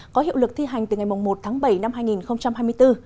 có hiệu lực thi hành từ ngày một tháng bảy năm hai nghìn hai mươi bốn